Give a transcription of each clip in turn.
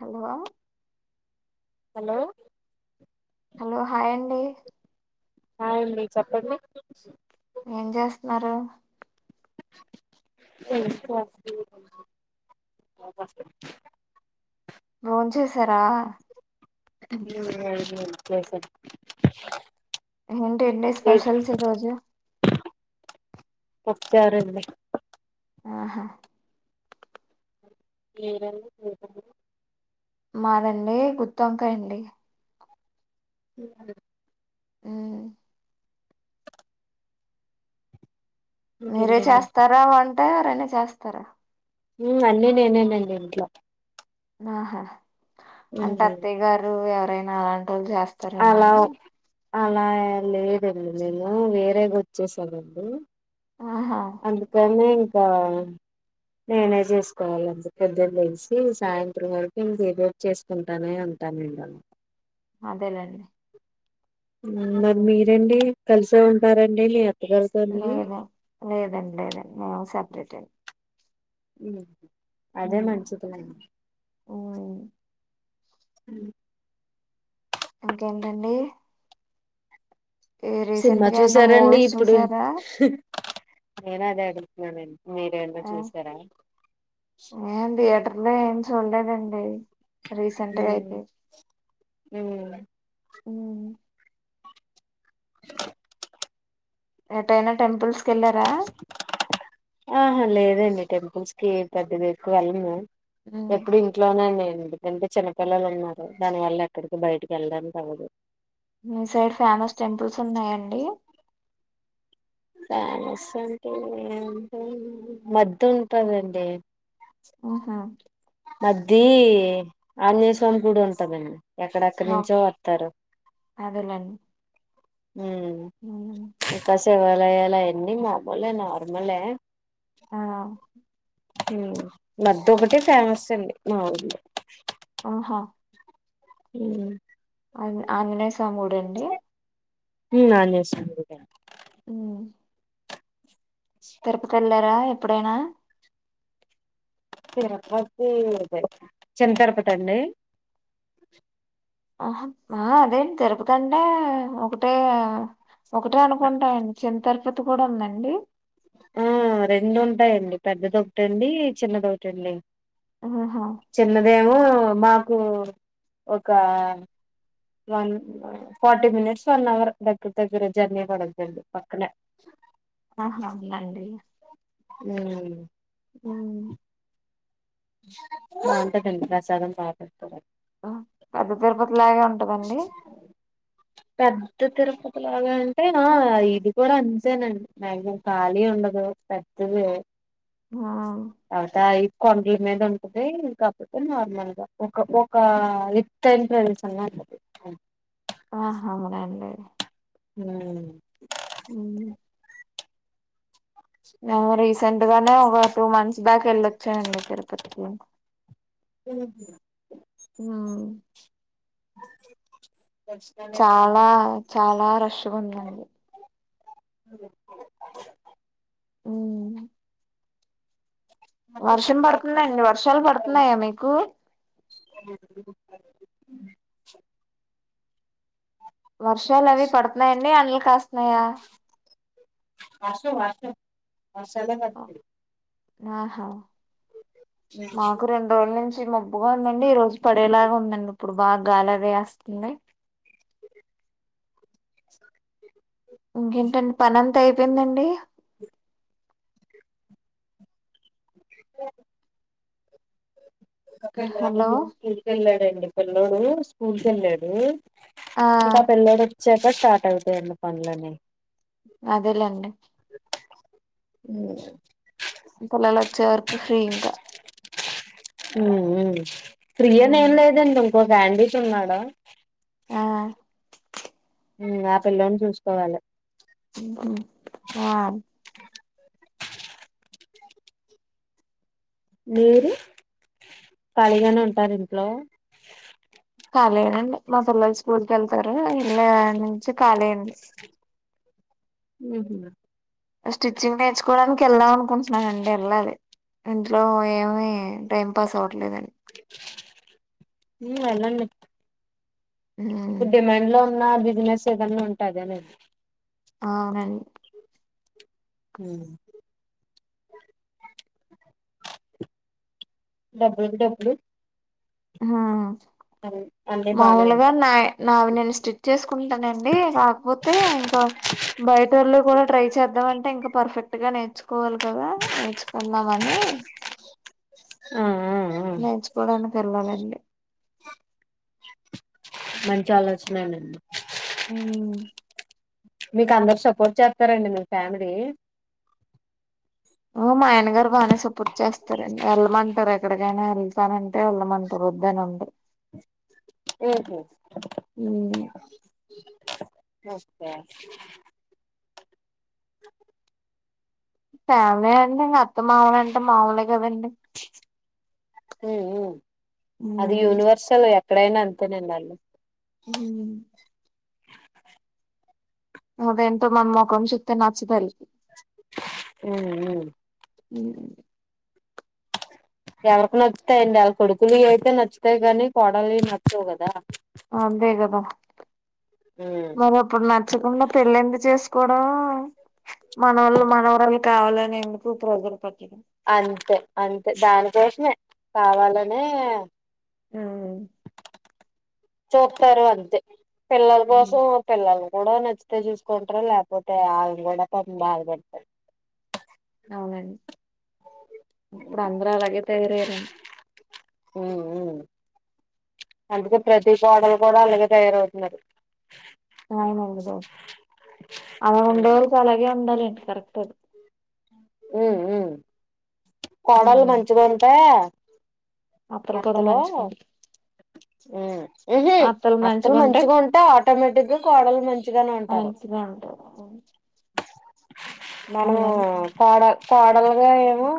Hello hello hello hi అండి hi అండి చెప్పండి ఏం చేస్తన్నారు [unintelligible] బొంచేసారా [unintelligible] చేసా వంట ఏంటి స్పెషల్స్ ఈ రోజు పప్పుచారు అండి ఆహా మీరండి మాదండి గుత్తొంకాయి అండి ఇంగ ఉ మీరే చేస్తారా అంటే ఎవరన్న చేస్తారా ఉ అన్ని నేనేనండి ఇంట్లో ఆహా అంటే అత్తయ్య గారు ఎవరైనా అలాంటి వాళ్ళు చేస్తారేమో అలా అని అలా లేదండి నేను వేరేగా వచ్చేసానండి ఆహా అందుకనే ఇంకా నేనే చేసుకోవాలి అంత పెద్దది తెలిసి సాయంత్రం వరకు తి చేసుకుంటానే ఉంటాను ఇంగ అదేలేండి మరి మ్మ్ మీరండి కలిసే ఉంటారండి లే లేద లేదండి లేదండి మేము సెపరేటే అదే మ్మ్ మంచిదిలేండి మ్మ్ ఇంకేంటండి ఈ రీసెంట్ సినిమా గా ఏమన్నా చూసారండి మూవీస్ ఇప్పుడు చూసారా నేను అదే అడుగుతున్నాను మీరేమన్న చూసారా ఆ థియేటర్ లో ఏం చూడలేదండి ఉ రీసెంట్గా అయితే ఉ మ్మ్. ఎటైనా టెంపుల్స్ కి వెళ్ళారా ఆహా లేదండి టెంపుల్స్ కి పెద్ద ఎక్కువ వెళ్ళను మ్మ్. ఎప్పుడి ఇంట్లోనేండి ఎందుకంటే చిన్నపిల్లలు ఉన్నారు దాని వల్ల ఎక్కడికి బయటికి వెళ్లడానికి అవ్వదు మీ సైడ్ ఫేమస్ టెంపుల్స్ ఉన్నాయండి ఫేమస్ అంటే మద్ది ఉంటదండి ఉహు అద్ది ఆంజనేయ స్వామి కూడా ఉంటాడండి ఎక్కడక్కడి ఓ, నుంచో వత్తారు ఉ ఉ ఇక శివాలయాల అయన్ని మాములే నార్మలే ఆ ఉ మద్ది ఒకటి ఫేమస్ అండి మా ఊర్లో ఆహా ఉ ఆ ఆంజనేయస్వామి గుడండి అ ఆంజనేయ స్వామి గుడి హ్మ్ తిరుపతి వెళ్ళారా ఎప్పుడైనా తిరపతిద చిన్న తిరపతి అండి ఆహ ఆ అదే తిరపతంటే ఒకటే ఒకటే అనుకుంటాండి చిన్న తిరుపతి కూడా ఉందండి హ్మ్ రెండు ఉంటాయండి పెద్దది ఒకటండి చిన్నదొకటండి ఆహా చిన్నదేమో మాకు ఒక one forty minutes one hour దగ్గిర దగ్గిర జర్నీ పడతది పక్కనే ఆహా నండి హ్మ్ హ్మ్ బాగుంటదండి ప్రసాదం బా పెడుతరు పెద్ద తిరుపతి లాగే ఉంటదండి పెద్ద తిరుపతి లాగా అంటే ఇది కూడా అంతేనండి మ్యాగ్జిమం ఖాళీ ఉండదు పెద్దది ఆ అవుతా ఇక్కడ దీని మీద ఉంటది కాకపోతే నార్మల్ గా ఒక ఒక ఎత్తైన ప్రదేశంలో ఉంటది ఆహా మనం ఎల్లలేదు హ్మ్ హ్మ్ ఆ రీసెంట్ గానే ఒక టూ మంత్స్ బ్యాక్ వెళ్ళొచ్చాండి తిరుపతికి ఉ హ్మ్ చాలా చాలా రష్గా ఉందండి [unintelligible] హ్మ్ వర్షం పడుతందండి వర్షాలు పడతున్నాయా మీకు వర్షాలు అవి పడుతున్నాయండి ఎండ్లు కాస్తున్నాయా వర్షం రాట్లేదు వర్షాలే పడుతుంది ఆహా మాకు రెండు రోజుల నుంచి మబ్ మబ్బు గా ఉందండి ఈ రోజు పడేలాగా ఉందండి ఇప్పుడు బాగా గాలి అది యేస్తుంది ఇంకేంటండి పని అంత అయిపోయిందండి ఓ ఒక పిల్లోడు హలో స్కూల్ కి వెళ్ళాడండి పిల్లోడు స్కూల్ కి వెళ్ళాడు ఆ ఇంకా పిల్లోడు వచ్చాక స్టార్ట్ అవుతాయండి పనులన్నీ అదేలేండి హ్మ్ ఇంకా వాళ్ళు వచ్చే వరకు ఫ్రీ ఇంకా హ్మ్ మ్మ్ ఫ్రీ అని ఏం లేదండి ఇంకో క్యాండీట్ ఉన్నాడా ఆ ఆ పిల్లోడిని చూసుకోవాలి బ మీరు కాళీగానే ఉంటార ఇంట్లో ఖాలీయెనండి మా పిల్లలు స్కూల్ క వెళ్తారు వెళ్ళ నుంచి ఖాలేయండి ఉ స్టిచ్చింగ్ నేర్చుకోవడానికి వెళ్దాం అనుకుంటున్నానండి వెళ్ళాలి ఇంట్లో ఏమీ టైం పాస్ అవ్వట్లేదండి ఉ ఎల్లండి ఉమ్ ఇప్పుడు డిమాండ్ లో ఉన్న బిజినెస్ ఏదన్నా ఉంటే అదేనండి ఆవ్ నండి హ డబ్బులకి డబ్బులు హా అన్నీ బానే మాములుగా ఉంటాయి నాయి నావి నేను స్టిట్చ చేసుకుంటానండి కాకపోతే ఇంకా బయట వాళ్ళు కూడా ట్రై చేద్దామంటే ఇంకా పర్ఫెక్ట్ గా నేర్ నేర్చుకోవాలి కదా నేర్చుకుందామనే ఆ ఆ ఆ నేర్చుకోవడానికి వెళ్ళాలండి మంచి ఆలోచనేనండి ఉ మీకు అందరు సపోర్ట్ చేస్తారండి మీ ఫ్యామిలీ ఉ మా ఆయన గారు బానే సపోర్ట్ చేస్తారండి వెళ్ళమంటారు అండి ఎక్కడికైనా వెళ్తానంటే వెళ్లమంటారు, వద్దు అని అనరు. ఓకే [unintelligible] ఫ్యామిలీ అంటే ఇంక అత్త మామలు అంటే మాములే కదండి హ్మ్ హ్మ్ అది ఉమ్ యూనివర్సల్ ఎక్కడైనా అంతేనండి వాళ్ళు ఉ అది ఏంటో మా మొఖం చూస్తే నచ్చదాలికి హ్మ్ హ్మ్ ఉ ఎవరికి నచ్చుతాయండి వాళ్ళ కొడుకులు అయితే నచ్చుతాయి గానీ కోడలువి నచ్చవు కదా అందే కదా ఉమ్ మరి ఆ ప్పుడు నచ్చకుండా పెళ్లి ఎందు చేసుకోవడం మనవలు మనవరాళ్లు కావాలనే ఎందుకు ప్రెజర్ పట్టడం అంతే అంతే దానికోసమే కావాలనే ఆ చూపుతారు అంతే పిల్లల ఉమ్ కోసం పిల్లలు కూడ నచ్చితే చూసుకుంటారు లేకపోతే ఆల్లని కూడా పాపం బాధపెడతారు అవునండి ఇప్పుడు అందరూ అలాగే తయారయారండి హ్మ్ అందుకే ప్రతి కోడలు కూడా అలాగే తయారవుతున్నారు [unintelligible] అలా ఉండే వాళ్ళకు అలాగే ఉండాలండి కరెక్టే అది ఉ ఉ కోడలు ఉమ్ మంచిగా ఉంటే అత్తలు కూడా మంచిగా హ్మ్ ఉహ్ అత్తలు మంచిగా ఉంటే ఆటోమేటిక్ గా కోడలు మంచిగానే ఉంటారు. టహహ్ మనము కోడల్ కోడలుగా ఏమో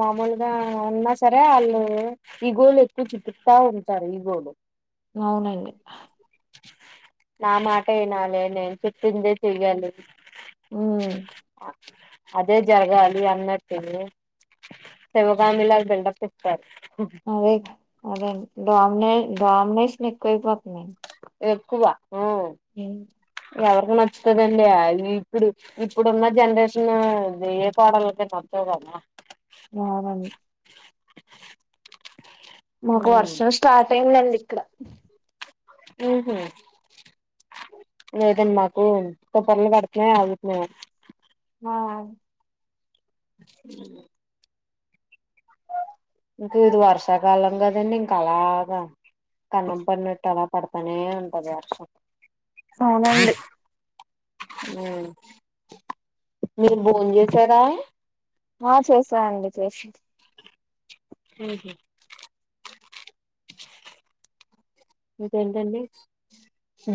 మామూలుగా ఉన్నా సరే ఆళ్ళు ఈగోలు ఎక్కువ చూపితా ఉంటారు ఈగోలు అవునండి నా మాట వినాలి నేను చెప్పిందే చేయాలి. ఉహుహ్ అదే జరగాలి అన్నట్టుంది. శివగామిలాగ బెల్డప్ ఇస్తాద్ అదే అదేండి డామినే డామినేషన్ ఎక్కువైపోతుదాడ్ ఎక్కువ ఉహ్ ఏ ఎవరికి నచ్చుతుందండి అది ఇప్పుడు ఇప్పుడున్న జనరేషన్ ఇది ఏ కోడలకే నచ్చావు గదా. నవునన్ మాకు ఉమ్ వర్షం స్టార్ట్ అయిందండి ఇక్కడ ఉహుహ్ లేదంన్ మాకు పుపర్లు కడుతున్నాయ ఆగుతున్నాయన్ మా అ ఇంక్ ఇది వర్షాకాలం కదండి ఇంక అలాగా కన్నం పడినట్టు అలా పడతానే ఉంటది వర్షం అవునండి ఊ మీరు భోన్ జేసారా ఆ చేసాఅండి చేష్ ఉహుహ్ ఇంకేంటండి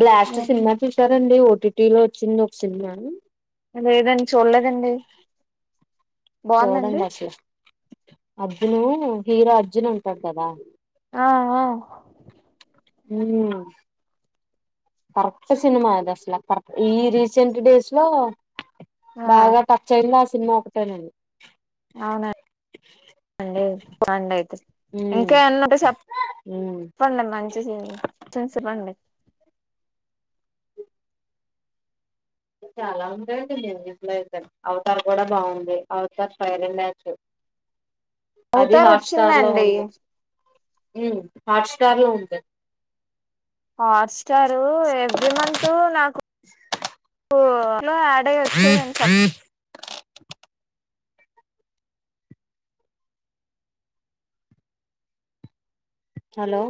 బ్లాస్ట్ సినిమా చూసారండి ఓటీటీ లో వోచ్చింది ఓక్ సినమా లేదన్ చూలేదండి. చూడండి అసలు అర్జును హీరో అర్జున్ ఉంటాడు కదా ఆ ఆ ఊహ్మ కరెక్ట్ సినిమా అది అసలా కరెక్ట్ ఈ రీసెంట్ డేస్ లో ఆ బాగా టచ్ అయింది ఆ సినిమా ఒకటేనండ్ అవునా ఏంది అండి బండి అయితే ఇంకేమన్నుంటే సేప్ ఉహ్ ప్పండి మంచి సిన్ చూసిపోండి చాలా ఉంటాయండి మ్యూజిక్ లో అయితే అవతార్ కూడా బాగుంది అవతార్ పైర్ లేచ్చు అవుతార్ వోచ్చిందండి. ఉహ్ హాట్ స్టార్ లో ఉంటద్ హాట్స్టారు ఎవ్రీ మంత్ నాకు ఓట్లో ఆడయ వచ్చేది అండి సప్ హలో